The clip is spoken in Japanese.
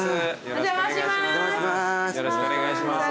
よろしくお願いします。